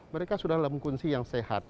mereka sudah mengkunci yang sehat